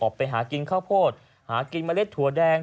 ไปหากินข้าวโพดหากินเมล็ดถั่วแดง